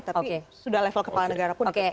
tapi sudah level kepala negara pun dipakai